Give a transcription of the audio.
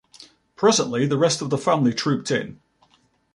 Presently the rest of the family trooped in.